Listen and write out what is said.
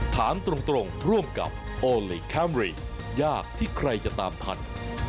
ถามตรงร่วมกับโอลี่คัมรี่ยากที่ใครจะตามทัน